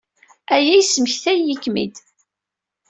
Aya yesmektay-iyi-kem-id.